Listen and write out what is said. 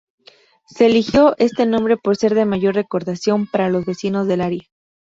Se eligió este nombre por ser de mayor recordación para los vecinos del área.